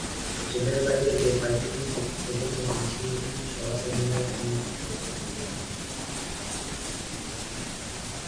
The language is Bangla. জেলের বাইরে যে কয়েকটি দিন থেকেছেন, মিছিল-মিটিং, সভা-সেমিনার নিয়ে কি থাকতেন?